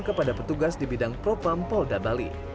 kepada petugas di bidang propam polda bali